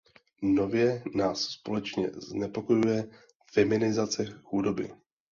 Nově nás společně znepokojuje feminizace chudoby.